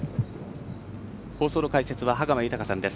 放送の解説は羽川豊さんです。